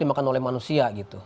dimakan oleh manusia gitu